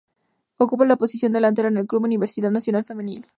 Ocupa la posición de Delantera en el Club Universidad Nacional Femenil.